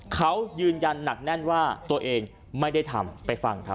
เขายืนยันหนักแน่นว่าตัวเองไม่ได้ทำไปฟังครับ